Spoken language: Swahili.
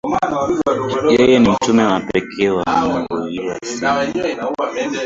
yeye ni mtume wa pekee wa Mungu ila si Mungu